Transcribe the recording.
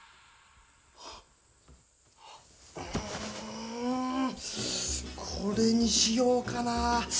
んこれにしようかな。